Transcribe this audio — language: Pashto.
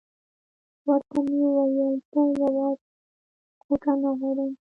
ورته مې وویل زه یوازې کوټه نه غواړم.